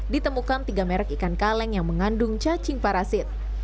ditemukan tiga merek ikan kaleng yang mengandung cacing parasit